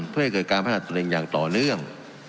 เพื่อให้เกิดการพัฒนาตัวเองอย่างต่อเนื่อง